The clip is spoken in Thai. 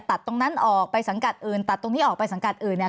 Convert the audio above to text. ตัดตรงนั้นออกไปสังกัดอื่นตัดตรงนี้ออกไปสังกัดอื่นเนี่ย